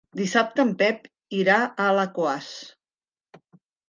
Dissabte en Pep irà a Alaquàs.